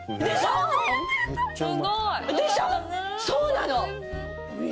そうなの！